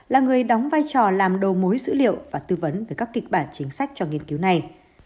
là người đóng vai trò làm đầu mối dữ liệu và tư vấn về các kịch bản chính sách cho nghiên cứu này